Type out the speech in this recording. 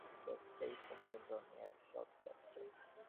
The station went on air shortly after.